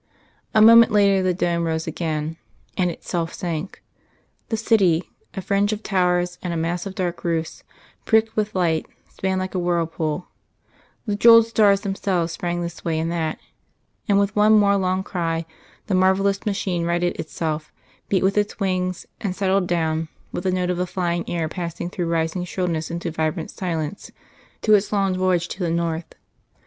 A moment later the dome rose again, and itself sank, the city, a fringe of towers and a mass of dark roofs, pricked with light, span like a whirlpool; the jewelled stars themselves sprang this way and that; and with one more long cry the marvellous machine righted itself, beat with its wings, and settled down, with the note of the flying air passing through rising shrillness into vibrant silence, to its long voyage to the north.